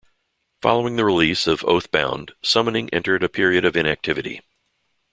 Following the release of "Oath Bound", Summoning entered a period of inactivity.